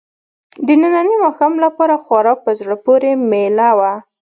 د ننني ماښام لپاره خورا په زړه پورې مېله وه.